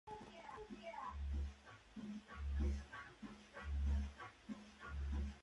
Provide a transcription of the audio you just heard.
Se trata de un poblamiento disperso y numeroso.